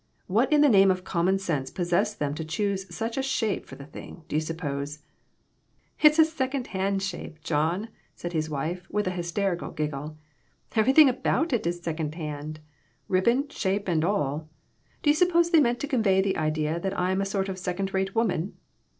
What in the name of common sense possessed them to choose such a shape for the thing, do you suppose ?" "It's a second hand shape, John," said his wife, with an hysterical giggle ;" everything about it is second hand ribbon, shape and all. Do you suppose they mean to convey the idea that I am a sort of second rate woman